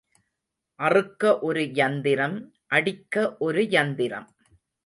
அறுக்க ஒரு யந்திரம் அடிக்க ஒரு யந்திரம்.